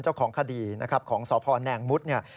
เจ้าของคดีของสแน่งมุษย์